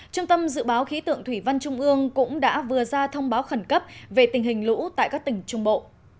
trung tâm dự báo khí tượng thủy văn trung ương cũng đã vừa ra thông báo khẩn cấp về tình hình lũ tại các tỉnh trung bộ